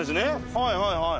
はいはいはい。